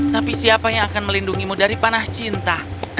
tapi siapa yang akan melindungimu dari panah cinta